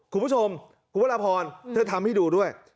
คุณผู้ชมคุณพระราพรเธอทำให้ดูด้วย